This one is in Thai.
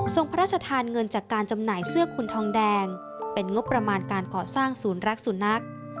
พระราชทานเงินจากการจำหน่ายเสื้อคุณทองแดงเป็นงบประมาณการก่อสร้างศูนย์รักสุนัข